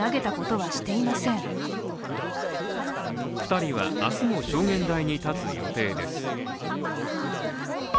２人は明日も証言台に立つ予定です。